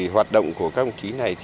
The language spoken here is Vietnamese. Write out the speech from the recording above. hoạt động của các đồng chí này